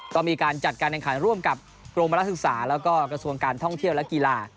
ก็มีการจัดการแข่งขันร่วมกับกรมนักศึกษาแล้วก็กระทรวงการท่องเที่ยวและกีฬา